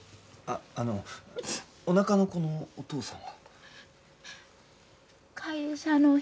あのおなかの子のお父さんは？